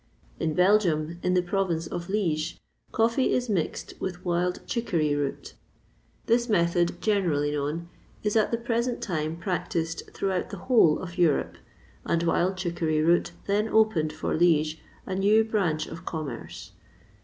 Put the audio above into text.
In Belgium, in the province of Liege, coffee is mixed with wild chicory root. This method, generally known, is at the present time practised throughout the whole of Europe; and wild chicory root then opened for Liege a new branch of commerce.